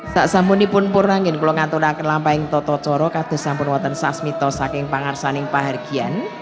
saak sampuni pun purna ngini kulunga tuna kenlampahing toto coro kakde sampun weten sasmito saking pangarsaning paharjian